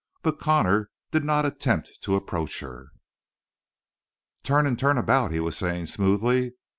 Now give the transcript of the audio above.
But Connor did not attempt to approach her. "Turn and turn about," he was saying smoothly.